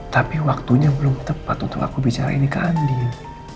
tapi waktunya belum tepat untuk aku bicara ini ke andil